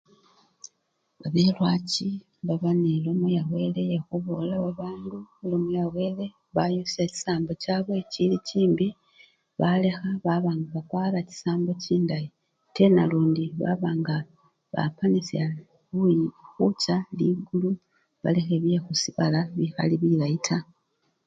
Babelwachi baba nelomo yawele yekhubolela babandu elomo yawele bayusya chisambo chabwe chili chimbii balekha baba nga bakwara chisambo chindayi ate nalundi baba nga bapanisya khuyu! khucha likulu balekhe bibindu byekhusibala bikhali bilayi taa.